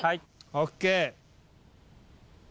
ＯＫ。